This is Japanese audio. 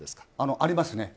ありますね。